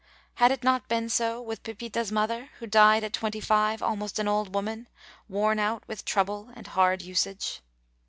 Had it not been so with Pepita's mother, who died at twenty five almost an old woman, worn out with trouble and hard usage?